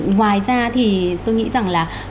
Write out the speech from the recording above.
ngoài ra thì tôi nghĩ rằng là